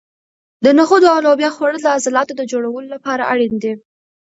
د نخودو او لوبیا خوړل د عضلاتو د جوړولو لپاره اړین دي.